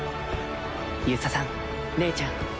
遊佐さん姉ちゃん